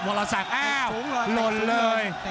วัลสักอ้าวลนเลย